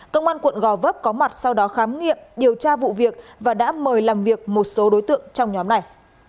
công an quận gò vấp có mặt sau đó khám nghiệm điều tra vụ việc và đã mời làm việc một số đối tượng trong nhóm này